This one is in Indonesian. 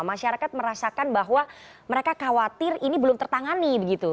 masyarakat merasakan bahwa mereka khawatir ini belum tertangani begitu